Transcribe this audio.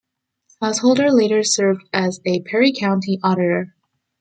Householder later served as a Perry County Auditor.